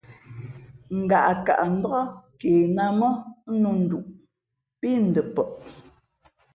Ngaʼkaʼ ndāk ke nā mά nū nduʼ pí ndαpαʼ.